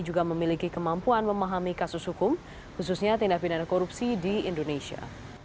juga memiliki kemampuan memahami kasus hukum khususnya tindak pidana korupsi di indonesia